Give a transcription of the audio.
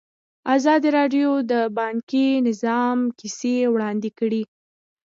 ازادي راډیو د بانکي نظام کیسې وړاندې کړي.